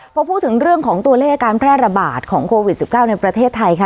พอพูดถึงเรื่องของตัวเลขการแพร่ระบาดของโควิด๑๙ในประเทศไทยค่ะ